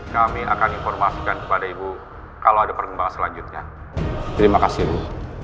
kami akan informasikan kepada ibu kalau ada perkembangan selanjutnya terima kasih ibu